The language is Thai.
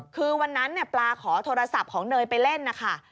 คือวันนั้นปลาขอโทรศัพท์ของเนยไปเล่นนะคะ